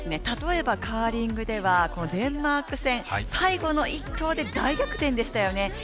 例えばカーリングでは、このデンマーク戦、最後の一投で大逆転でしたよね。